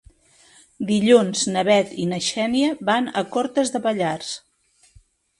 Dilluns na Bet i na Xènia van a Cortes de Pallars.